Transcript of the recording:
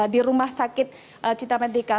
di rumah sakit cintra medica